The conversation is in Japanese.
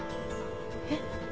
えっ？